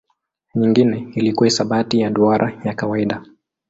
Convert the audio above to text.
Nyingine ilikuwa hisabati ya duara ya kawaida.